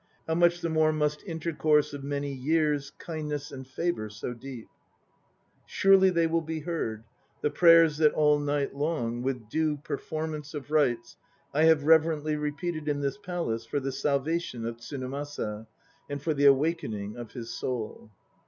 How much the more must intercourse of many years, kindness and favour so deep ... l Surely they will be heard, The prayers that all night long With due performance of rites I have reverently repeated in this Palace For the salvation of Tsunemasa And for the awakening of his soul.